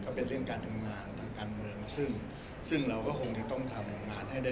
ก็เป็นเรื่องการทำงานทางการเมืองซึ่งซึ่งเราก็คงจะต้องทำงานให้ได้